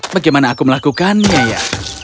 bagaimana aku melakukannya ya